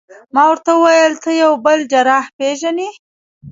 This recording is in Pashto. ما ورته وویل: ته یو بل جراح پېژنې؟